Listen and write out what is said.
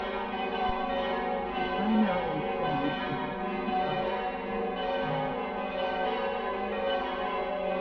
He primarily played as a second-rower, prop and lock.